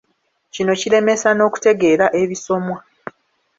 Kino kiremesa n'okutegeera ebisomwa.